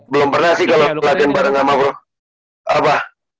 belum pernah sih kalo latihan bareng sama apa